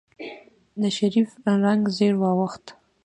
د شريف رنګ زېړ واوښت.